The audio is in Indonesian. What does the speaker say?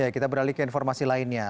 kita beralih ke informasi lainnya